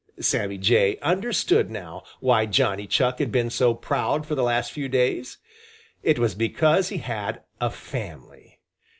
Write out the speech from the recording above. Sammy Jay understood now why Johnny Chuck had been so proud for the last few days. It was because he had a family!